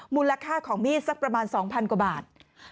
มูลค่าของมีดสักประมาณ๒๐๐กว่าบาท